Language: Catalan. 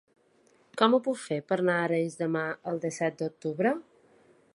Com ho puc fer per anar a Arenys de Mar el disset d'octubre?